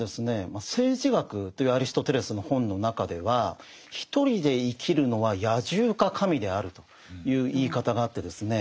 まあ「政治学」というアリストテレスの本の中ではという言い方があってですね